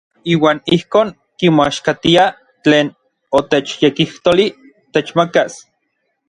Iuan ijkon kimoaxkatiaj tlen otechyekijtolij techmakas.